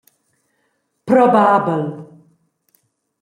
Probabel!